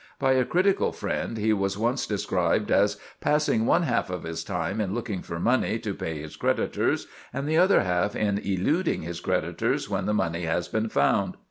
By a critical friend he was once described as "passing one half of his time in looking for money to pay his creditors, and the other half in eluding his creditors when the money has been found."